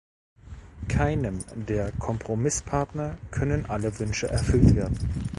Keinem der Kompromisspartner können alle Wünsche erfüllt werden.